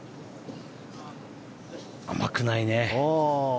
甘くないね。